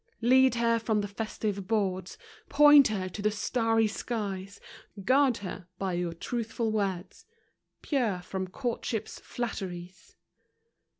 Lead her from the festive boards, Point her to the starry skies ; Guard her, by your truthful words, Pure from courtship's flatteries.